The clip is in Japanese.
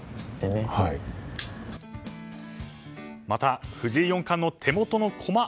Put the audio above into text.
また、藤井四冠の手元の駒。